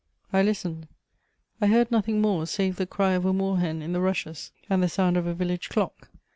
I listened; I heard nothing more save the cry of a moor hen in the rushes and the sound of a village clock.